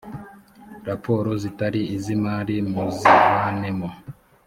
raporo zitari iz imari muzivanemo.